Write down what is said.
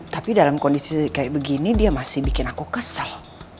tapi dalam kondisi kayak begini dia masih bikin aku kesal